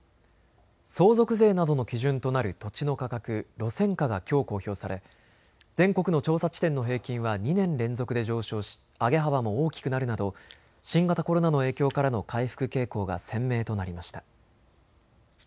相続税などの基準となる土地の価格、路線価がきょう公表され全国の調査地点の平均は２年連続で上昇し上げ幅も大きくなるなど新型コロナの影響からの回復傾向が鮮明となりました。